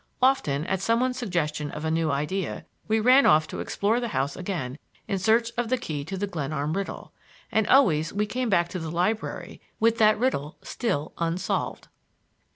Often, at some one's suggestion of a new idea, we ran off to explore the house again in search of the key to the Glenarm riddle, and always we came back to the library with that riddle still unsolved.